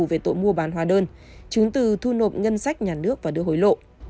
về tội mua bán hóa đơn chứng từ thu nộp ngân sách nhà nước và đưa hối lộ